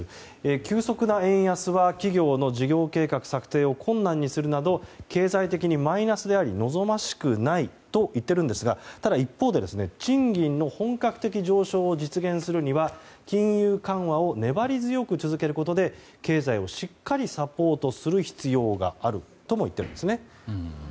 急速な円安は企業の事業計画策定を困難にするなど経済的にマイナスであり望ましくないと言っているんですがただ、一方で賃金の本格的上昇を実現するには金融緩和を粘り強く続けることで経済をしっかりサポートする必要があるとも言っているんですね。